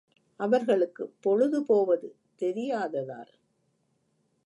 அவர்களுக்கு பொழுது போவது தெரியாததால்.